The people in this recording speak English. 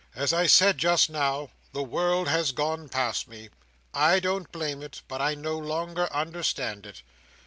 As I said just now, the world has gone past me. I don't blame it; but I no longer understand it.